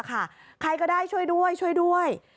ใครก็ได้ช่วยด้วยช่วยด้วย